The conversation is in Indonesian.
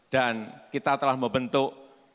dan kita telah membentuk